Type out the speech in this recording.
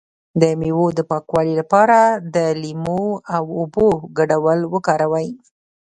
د میوو د پاکوالي لپاره د لیمو او اوبو ګډول وکاروئ